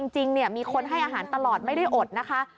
มีคนให้อาหารตลอดไม่ได้อดนะคะ